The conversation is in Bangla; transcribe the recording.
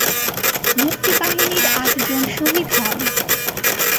মুক্তিবাহিনীর আটজন শহীদ হন।